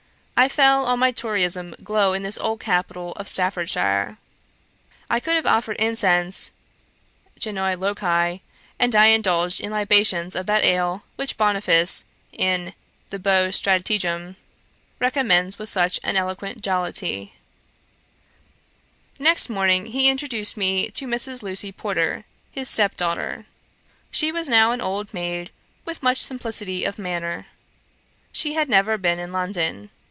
I felt all my Toryism glow in this old capital of Staffordshire. I could have offered incense genio loci; and I indulged in libations of that ale, which Boniface, in The Beaux Stratagem, recommends with such an eloquent jollity. Next morning he introduced me to Mrs. Lucy Porter, his step daughter. She was now an old maid, with much simplicity of manner. She had never been in London.